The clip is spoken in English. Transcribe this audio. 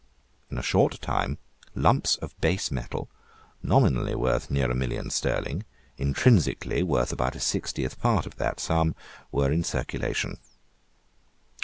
In a short time lumps of base metal, nominally worth near a million sterling, intrinsically worth about a sixtieth part of that sum, were in circulation.